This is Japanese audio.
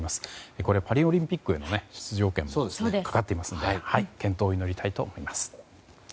ここでパリオリンピックへの出場権もかかっていますので健闘を祈りたいと思います。